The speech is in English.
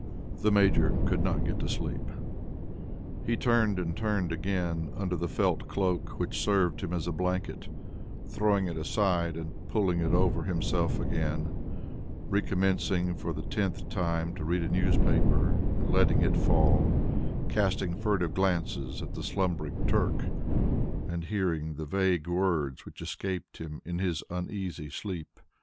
The Major could not get to sleep. He turned and turned again under the felt cloak which served him as a blanket, throwing it aside and pulling it over himself again, recommencing for the tenth time to read a newspaper and letting it fall, casting furtive glances at the slumbering Turk, and hearing the vague words which escaped him in his uneasy sleep.